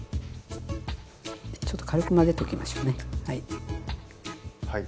ちょっと軽く混ぜときましょうねはい。